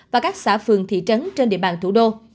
và các xã phường thị trấn trên địa bàn thủ đô